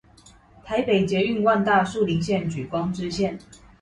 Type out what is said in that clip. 台北捷運萬大樹林線莒光支線